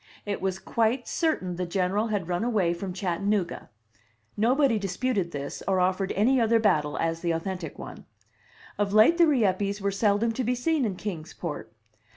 It was quite certain the General had run away from Chattanooga. Nobody disputed this, or offered any other battle as the authentic one. Of late the Rieppes were seldom to be seen in Kings Port.